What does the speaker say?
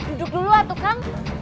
duduk dulu lah tukang